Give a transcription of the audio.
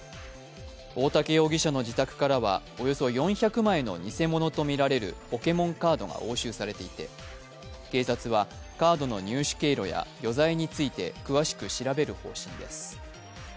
大竹容疑者の自宅からはおよそ４００枚の偽物とみられるポケモンカードが押収されていて、警察はカードの入手経路や余罪について詳しく調べる方針です。